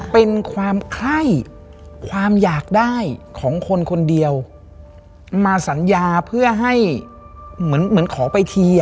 เป็นความไคร้ความอยากได้ของคนคนเดียวมาสัญญาเพื่อให้เหมือนเหมือนขอไปที